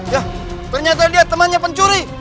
ya ternyata dia temannya pencuri